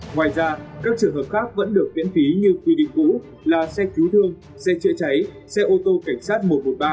ngoài ra các trường hợp khác vẫn được miễn phí như quy định cũ là xe cứu thương xe chữa cháy xe ô tô cảnh sát một trăm một mươi ba